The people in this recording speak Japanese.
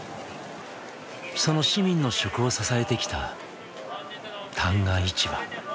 その市民の食を支えてきた旦過市場。